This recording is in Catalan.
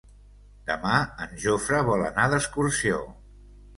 Demà en Jofre vol anar d'excursió.